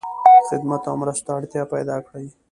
خدمت او مرستو ته اړتیا پیدا کړی.